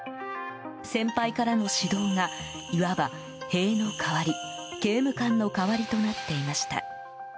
先輩からの指導がいわば、塀の代わり刑務官の代わりとなっていました。